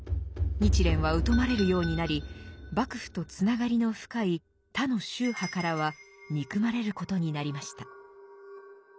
日蓮は疎まれるようになり幕府とつながりの深い他の宗派からは憎まれることになりました。